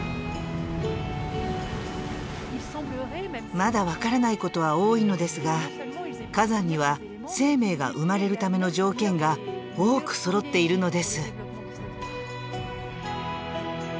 まだ分からないことは多いのですが火山には生命が生まれるための条件が多くそろっているのです。